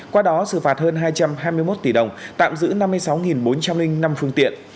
qua đó xử phạt hơn hai trăm hai mươi một tỷ đồng tạm giữ năm mươi sáu bốn trăm linh năm phương tiện